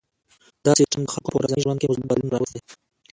دا سیستم د خلکو په ورځني ژوند کې مثبت بدلون راوستی.